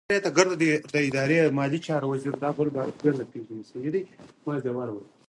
ازادي راډیو د کرهنه په اړه د پرمختګ لپاره د ستراتیژۍ ارزونه کړې.